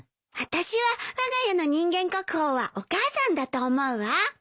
私はわが家の人間国宝はお母さんだと思うわ。